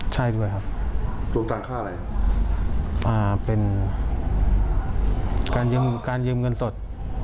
ใช่ด้วยครับดูตังค่าอะไรเป็นการยืมเงินสด